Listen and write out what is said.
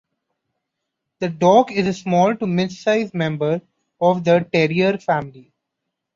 The dog is a small to mid-size member of the Terrier family.